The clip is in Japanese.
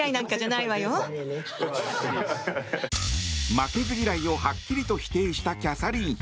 負けず嫌いをはっきりと否定したキャサリン妃。